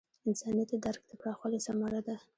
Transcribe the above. انسانیت د درک د پراخوالي ثمره ده.